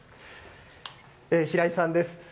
平居さんです。